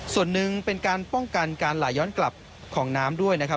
ส่วนหนึ่งเป็นการป้องกันการไหลย้อนกลับของน้ำด้วยนะครับ